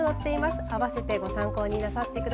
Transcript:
併せてご参考になさってください。